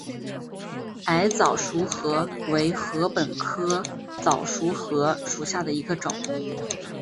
矮早熟禾为禾本科早熟禾属下的一个种。